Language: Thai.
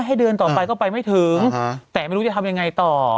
ให้เดินต่อไปก็ไปไม่ถึงแต่ไม่รู้จะทำยังไงต่อ